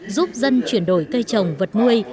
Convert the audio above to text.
giúp dân chuyển đổi cây trồng vật nuôi